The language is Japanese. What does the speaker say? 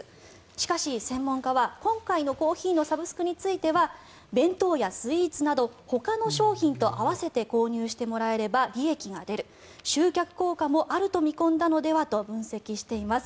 しかし専門家は、今回のコーヒーのサブスクについては弁当やスイーツなどほかの商品と合わせて購入してもらえれば利益が出る集客効果もあると見込んだのではと分析しています。